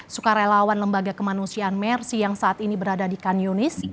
sukarelawan lembaga kemanusiaan mersi yang saat ini berada di kan yunis